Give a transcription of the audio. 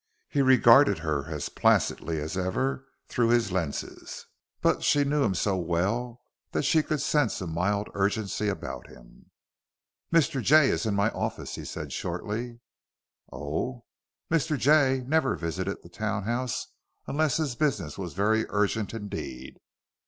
He regarded her as placidly as ever through his lenses, but she knew him so well that she could sense a mild urgency about him. "Mr. Jay is in my office," he said shortly. "Oh?" Mr. Jay never visited the townhouse unless his business was very urgent indeed.